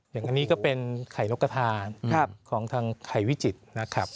อย่างนี้ก็เป็นไข่นกกระทาของทางไข่วิจิตรนะครับ